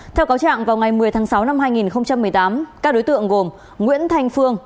theo cáo trạng vào ngày một mươi tháng sáu năm hai nghìn một mươi tám các đối tượng gồm nguyễn thanh phương